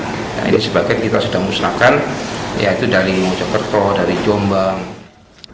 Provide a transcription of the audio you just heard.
nah ini sebagian kita sudah musnahkan yaitu dari mojokerto dari jombang